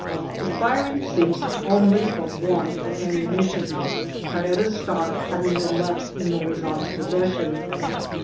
The firing ceased only from want of ammunition, Car rera's stock having been left in Morazan's possession.